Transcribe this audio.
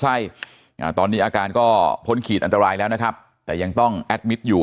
ไส้อ่าตอนนี้อาการก็พ้นขีดอันตรายแล้วนะครับแต่ยังต้องแอดมิตรอยู่